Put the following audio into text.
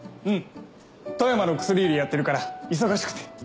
うん富山の薬売りやってるから忙しくて。